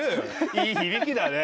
いい響きだね。